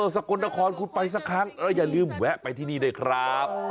สกลนครคุณไปสักครั้งแล้วอย่าลืมแวะไปที่นี่ด้วยครับ